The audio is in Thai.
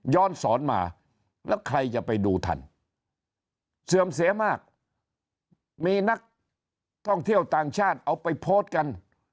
สอนมาแล้วใครจะไปดูทันเสื่อมเสียมากมีนักท่องเที่ยวต่างชาติเอาไปโพสต์กัน